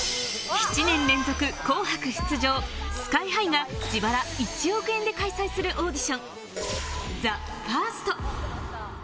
７年連続『紅白』出場、ＳＫＹ−ＨＩが自腹１億円で開催するオーディション、ＴＨＥＦＩＲＳＴ。